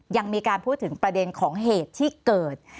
ยังมีการพูดถึงประเด็นของเหตุที่เกิด